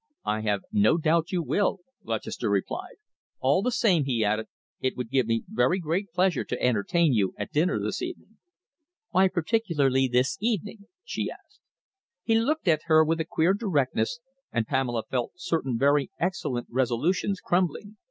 "I have no doubt you will," Lutchester replied "All the same," he added, "it would give me very great pleasure to entertain you at dinner this evening." "Why particularly this evening?" she asked. He looked at her with a queer directness, and Pamela felt certain very excellent resolutions crumbling.